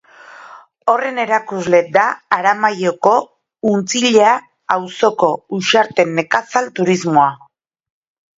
Horren erakusle da Aramaioko Untzilla auzoko Uxarte Nekazal Turismoa.